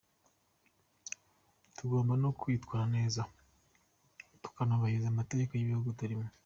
Tugomba no kwitwara neza, tukanubahiriza amategeko y’Igihugu turimo.